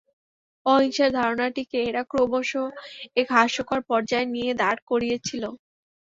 অহিংসার ধারণাটিকে এরা ক্রমশ এক হাস্যকর পর্যায়ে নিয়ে দাঁড় করিয়েছিল।